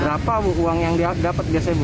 berapa bu uang yang dia dapat biasanya bu